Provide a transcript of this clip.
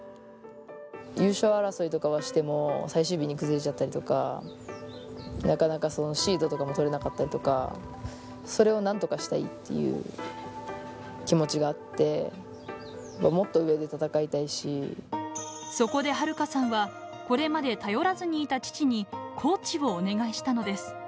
優勝争いとかはしても、最終日に崩れちゃったりとか、なかなかシードとかも取れなかったりとか、それをなんとかしたいっていう気持ちがあって、もっと上で戦いたそこで遥加さんは、これまで頼らずにいた父に、コーチをお願いしたのです。